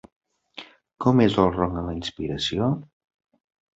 Com és el ronc a la inspiració?